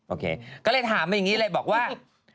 โอเคก็เลยถามว่าว่า